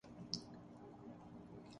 وصل کو ہجر ، ناگہانی موت